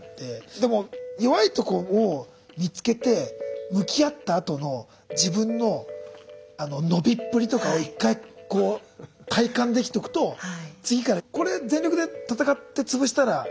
でも弱いとこを見つけて向き合ったあとの自分の伸びっぷりとかを１回こう体感できとくと次からこれ全力で戦って潰したらちょっと上行けんだなってなんかね。